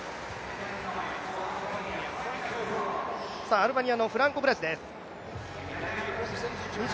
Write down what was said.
アルバニアのフランコ・ブラジです